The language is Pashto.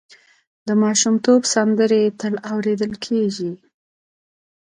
د ماشومتوب سندرې تل اورېدل کېږي.